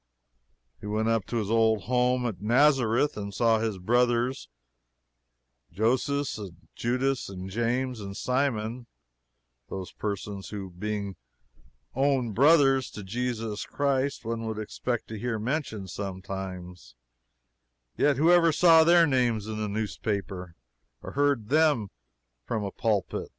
He went up to his old home at Nazareth, and saw his brothers Joses, and Judas, and James, and Simon those persons who, being own brothers to Jesus Christ, one would expect to hear mentioned sometimes, yet who ever saw their names in a newspaper or heard them from a pulpit?